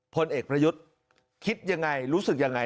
พลเอกประยุทธ์คิดยังไงรู้สึกยังไง